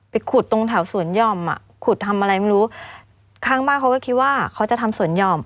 ขุดตรงแถวสวนหย่อมอ่ะขุดทำอะไรไม่รู้ข้างบ้านเขาก็คิดว่าเขาจะทำสวนห่อม